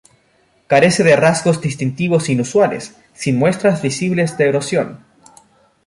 Carece de rasgos distintivos inusuales, sin muestras visibles de erosión.